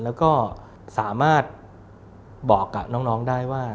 แล้วก็สามารถบอกกับน้องได้ว่า